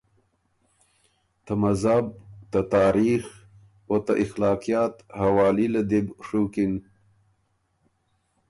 ته مذهب، ته تاریخ، او ته اخلاقیات حوالي له دی بو ڒُوکِن